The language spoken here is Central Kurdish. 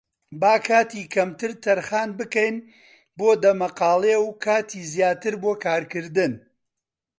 با کاتی کەمتر تەرخان بکەین بۆ دەمەقاڵێ و کاتی زیاتر بۆ کارکردن.